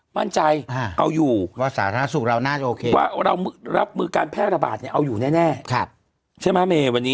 มั่นใจเอาอยู่ว่าสาธารณสูตรเราน่าจะโอเคว่าเรารับมือการแพร่ระบาดเนี่ยเอาอยู่แน่